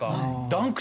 ダンク